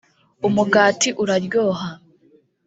umugati uraryoha.